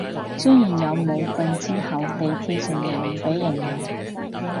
雖然有武肺之後地鐵成日唔畀人用